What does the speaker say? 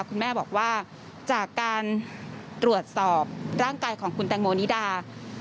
คุณแม่บอกว่าจากการตรวจสอบร่างกายของคุณแตงโมนิดา